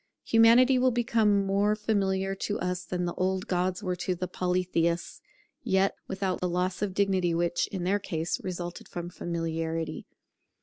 Humanity will become more familiar to us than the old gods were to the Polytheists, yet without the loss of dignity which, in their case, resulted from familiarity.